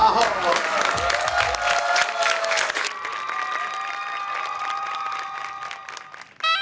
ขอบคุณมากครับ